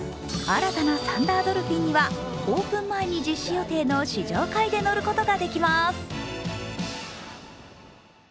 新たなサンダードルフィンにはオープン前に実施予定の試乗会で乗ることができます。